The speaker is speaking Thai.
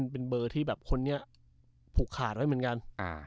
เป็นเบอร์ที่แบบคนนี้ผูกขาดไว้เหมือนกัน